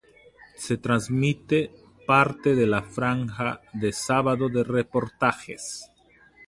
Se transmite como parte de la franja de Sábado de Reportajes.